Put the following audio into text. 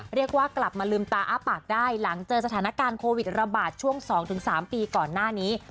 เรียกว่ากลับมาลืมตาอ้าปากได้หลังเจอสถานการณ์โควิดระบาดช่วง๒๓ปีก่อนหน้านี้